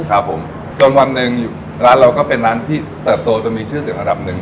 ครับผมจนวันหนึ่งร้านเราก็เป็นร้านที่เติบโตจนมีชื่อเสียงระดับหนึ่ง